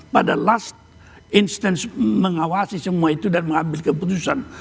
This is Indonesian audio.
pada last instance mengawasi semua itu dan mengambil keputusan